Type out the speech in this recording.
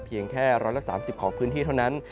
เพียงแค่๑๓๐ของพื้นที่เท่านั้น